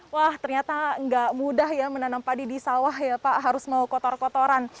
wah ternyata nggak mudah ya menanam padi di sawah ya pak harus mau kotor kotoran